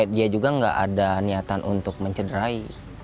dia juga nggak ada niatan untuk mencederai